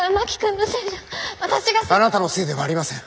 あなたのせいでもありません。